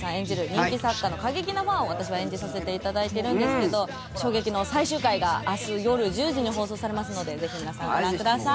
人気作家の過激なファンを私は演じさせていただいてるんですけど衝撃の最終回が明日夜１０時に放送されますのでぜひ皆さんご覧ください。